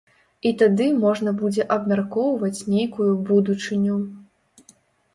І тады можна будзе абмяркоўваць нейкую будучыню.